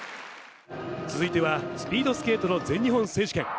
続いてはスピードスケートの全日本選手権。